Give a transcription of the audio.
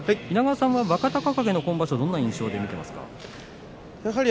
稲川さんは若隆景の今場所どんな印象で見ていますか。